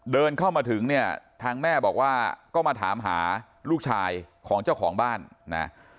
เดินเข้ามาถึงเนี่ยทางแม่บอกว่าก็มาถามหาลูกชายของเจ้าของบ้านนะ